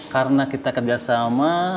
karena kita kerja sama